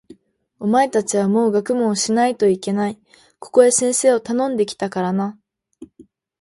お前たちはもう学問をしないといけない。ここへ先生をたのんで来たからな。